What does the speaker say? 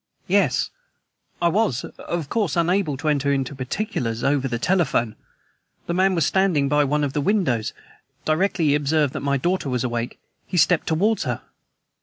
"Yes; I was, of course, unable to enter into particulars over the telephone. The man was standing by one of the windows. Directly he observed that my daughter was awake, he stepped towards her."